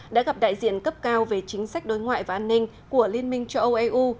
đã gặp đại diện cấp cao về chính sách đối ngoại và an ninh của liên minh châu âu eu